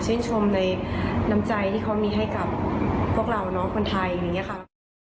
ชมในน้ำใจที่เขามีให้กับพวกเราน้องคนไทยอย่างนี้ค่ะ